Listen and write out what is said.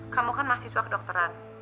kamu kan mahasiswa kedokteran